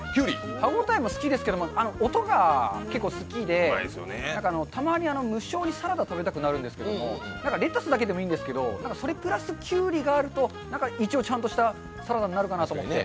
歯応えも好きですけど、音が結構好きでたまに無性にサラダ食べたくなるんですけどレタスだけでもいいんですけど、それプラスきゅうりがあると何か一応ちゃんとしたサラダになるかなと思って。